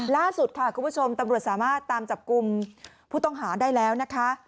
ล่าสุดค่ะคุณผู้ชมตำรวจสามารถตามจับกลุ่มผู้ต้องหาได้แล้วนะคะ